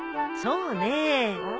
そうねえ。